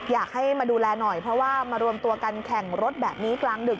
อยากให้มาดูแลหน่อยเพราะว่ามารวมตัวกันแข่งรถแบบนี้กลางดึก